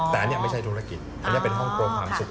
แต่อันนี้ไม่ใช่ธุรกิจอันนี้เป็นฮ่องกงความสุข